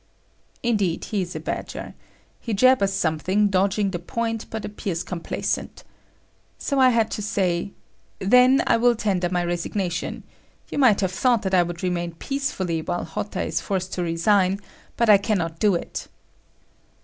Indeed, he is a badger. He jabbers something, dodging the point, but appears complacent. So I had to say: "Then, I will tender my resignation. You might have thought that I would remain peacefully while Mr. Hotta is forced to resign, but I cannot do it."